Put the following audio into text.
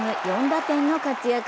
４打点の活躍。